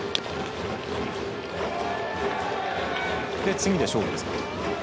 次で勝負ですか。